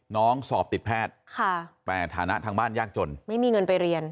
สอบติดแพทย์ค่ะแต่ฐานะทางบ้านยากจนไม่มีเงินไปเรียน